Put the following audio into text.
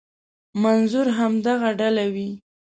منظور همدغه ډله وي.